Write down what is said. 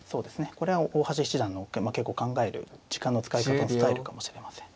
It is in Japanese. これは大橋七段の結構考える時間の使い方のスタイルかもしれません。